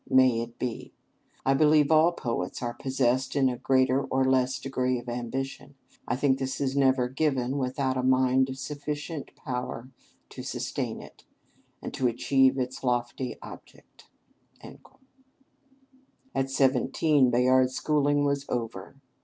May it be!... I believe all poets are possessed in a greater or less degree of ambition. I think this is never given without a mind of sufficient power to sustain it, and to achieve its lofty object." At seventeen, Bayard's schooling was over.